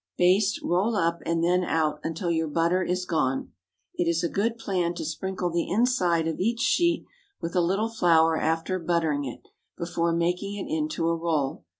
Baste, roll up and then out, until your butter is gone. It is a good plan to sprinkle the inside of each sheet with a little flour after buttering it, before making it into a roll.